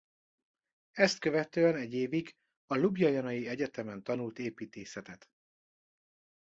Ezt követően egy évig a Ljubljana-i Egyetemen tanult építészetet.